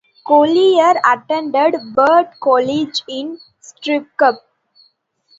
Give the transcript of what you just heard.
Collier attended Bird College in Sidcup.